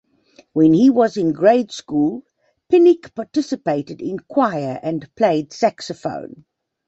When he was in grade school, Pinnick participated in choir and played saxophone.